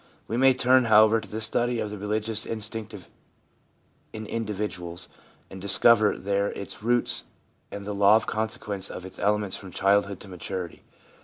We may turn, however, to the study of the religious instinct in individuals, and discover there its roots and the law of sequence of its elements from childhood to maturity.